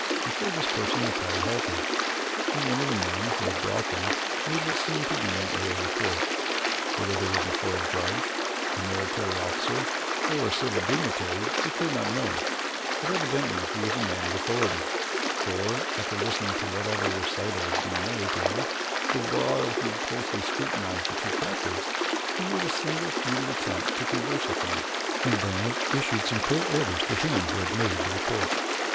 Before this person the party halted, and one of the men who had brought them made what seemed to be an oral report. Whether they were before a judge, a military officer, or a civil dignitary they could not know, but evidently he was a man of authority, for, after listening to whatever recital was being made to him the while he closely scrutinized the two captives, he made a single futile attempt to converse with them and then issued some curt orders to him who had made the report.